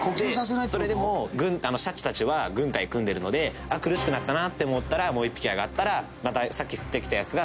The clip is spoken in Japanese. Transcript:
「それでもシャチたちは軍隊組んでるので苦しくなったなって思ったらもう１匹上がったらまたさっき吸ってきたヤツがのっかる」